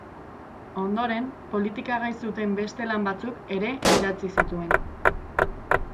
Ondoren, politika gai zuten beste lan batzuk ere idatzi zituen.